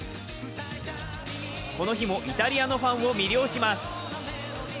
この日もイタリアのファンを魅了します。